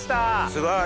すごい。